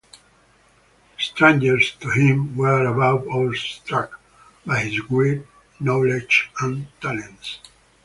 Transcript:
Strangers to him were above all struck by his great knowledge and talents.